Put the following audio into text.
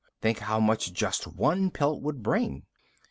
Think how much just one pelt would bring."